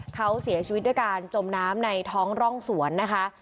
เขาเสียชีวิตด้วยการจมน้ำในท้องร่องสวนนะคะ